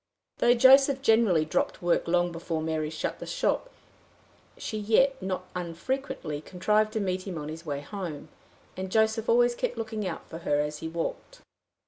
Though Joseph generally dropped work long before Mary shut the shop, she yet not unfrequently contrived to meet him on his way home; and Joseph always kept looking out for her as he walked.